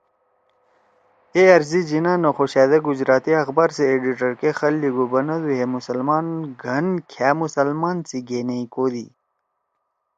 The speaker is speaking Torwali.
اے أرضی جناح نہ خوشأدے گجراتی اخبار سی ایڈیِٹر کے خط لیِگُو بنَدُو ہے مسلمان گھن کھأ مسلمانا سی گھینیئی کودی